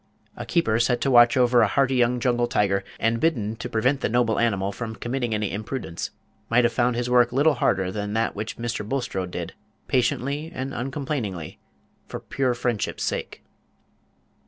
A keeper set to watch over a hearty young jungle tiger, and bidden to prevent the noble animal from committing any imprudence, might have found his work little harder than that which Mr. Bulstrode did, patiently and uncomplainingly, for pure friendship's sake.